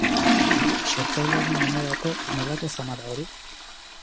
Sortzailearen lanerako, nolako zama da hori?